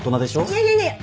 いやいやいや！